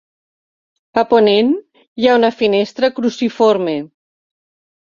A ponent hi ha una finestra cruciforme.